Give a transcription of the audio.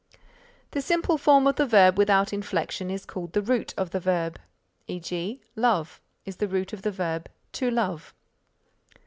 The simple form of the verb without inflection is called the root of the verb; e. g. love is the root of the verb, "To Love."